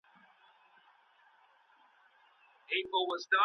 ګډوډې خبرې د غلط فهمۍ لامل کیږي.